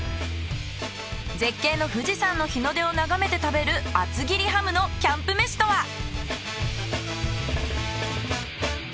絶景の富士山の日の出を眺めて食べる厚切りハムのキャンプ飯とは？